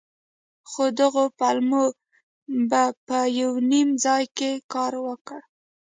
خو دغو پلمو به په يو نيم ځاى کښې کار وکړ.